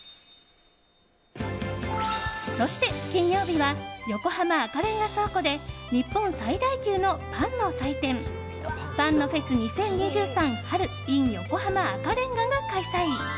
そして金曜日は横浜赤レンガ倉庫で日本最大級のパンの祭典パンのフェス２０２３春ｉｎ横浜赤レンガが開催。